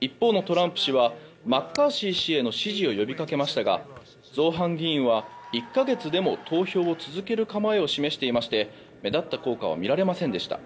一方のトランプ氏はマッカーシー氏への支持を呼びかけましたが造反議員は１か月でも投票を続ける構えを示していまして目立った効果は見られませんでした。